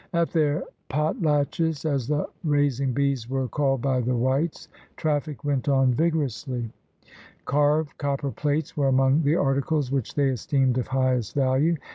At their "potlatches," as the raising bees were called by the whites, traffic went on vigorously. 132 THE RED MAN'S CONTINENT Carved copper plates were among the articles which they esteemed of highest value.